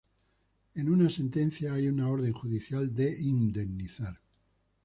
En una sentencia hay una orden judicial de indemnizar.